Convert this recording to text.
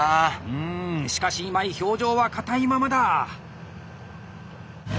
うんしかし今井表情は硬いままだあ！